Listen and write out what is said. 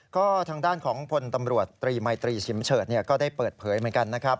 ก็ทางด้านของพลตำรวจตรีมัยตรีชิมเฉิดก็ได้เปิดเผยเหมือนกันนะครับ